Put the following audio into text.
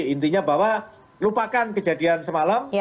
intinya bahwa lupakan kejadian semalam